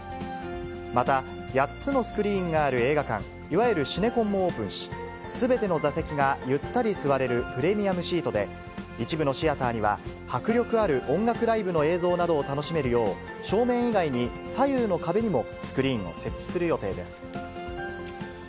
また、８つのスクリーンがある映画館、いわゆるシネコンもオープンし、すべての座席がゆったり座れるプレミアムシートで、一部のシアターには、迫力ある音楽ライブの映像などを楽しめるよう、照明以外に左右の壁にもスクリーンを設置する予定です。